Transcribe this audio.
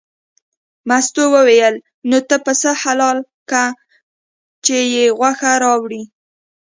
مستو وویل نو ته پسه حلال که چې یې غوښه راوړې.